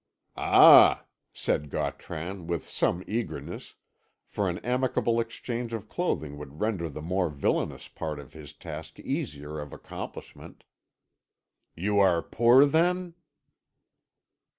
"Ah," said Gautran, with some eagerness, for an amicable exchange of clothing would render the more villainous part of his task easier of accomplishment, "you are poor, then?"